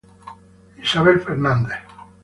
Isabel Fernández